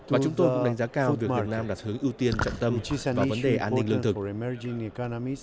và chúng tôi cũng đánh giá cao việc việt nam đặt hướng ưu tiên trọng tâm vào vấn đề an ninh lương thực